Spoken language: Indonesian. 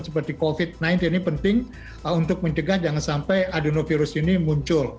seperti covid sembilan belas ini penting untuk mencegah jangan sampai adenovirus ini muncul